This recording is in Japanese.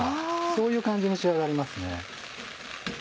そういう感じに仕上がりますね。